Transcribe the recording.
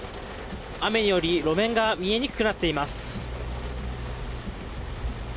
雨により路面が見えにくくなっています。